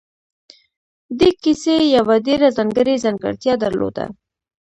دې کیسې یوه ډېره ځانګړې ځانګړتیا درلوده